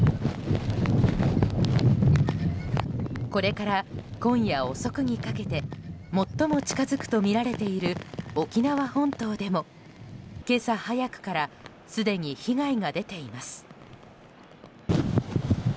これから今夜遅くにかけて最も近づくとみられている沖縄本島でも今朝早くからすでに被害が出ています。